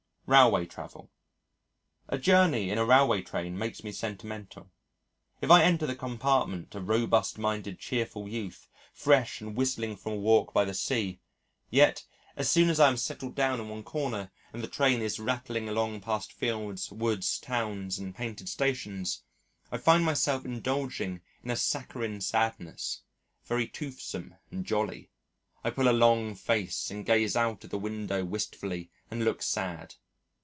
Railway Travel A journey in a railway train makes me sentimental. If I enter the compartment a robust minded, cheerful youth, fresh and whistling from a walk by the sea, yet, as soon as I am settled down in one corner and the train is rattling along past fields, woods, towns, and painted stations, I find myself indulging in a saccharine sadness very toothsome and jolly. I pull a long face and gaze out of the window wistfully and look sad.